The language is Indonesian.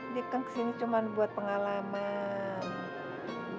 dia kan kesini cuma buat pengalaman